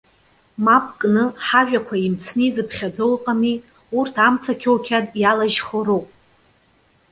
Мап кны, ҳажәақәа имцны изыԥхьаӡо ыҟами? Урҭ амца қьоуқьад иалажьхо роуп.